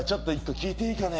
聞いていいかね？